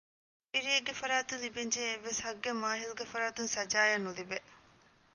ފިރިއެއްގެ ފަރާތުން ލިބެންޖެހޭ އެއްވެސް ހައްގެއް މާހިލްގެ ފަރާތުން ސަޖާއަށް ނުލިބޭ